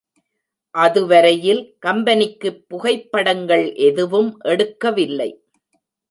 அதுவரையில் கம்பெனிக்குப் புகைப்படங்கள் எதுவும் எடுக்கவில்லை.